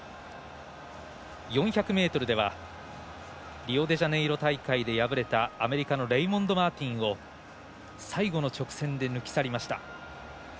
４００ｍではリオデジャネイロ大会で敗れたアメリカのレイモンド・マーティンを最後の直線で抜き去りました。